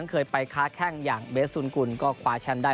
เคยไปค้าแข้งอย่างเบสสุนกุลก็คว้าแชมป์ได้